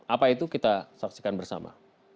apa itu kita saksikan bersama